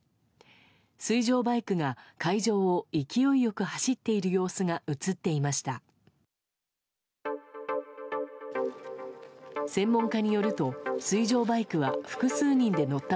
水上バイクが海上を勢いよく走っている様子が映っていました。